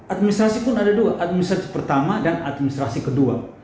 administrasi pun ada dua administrasi pertama dan administrasi kedua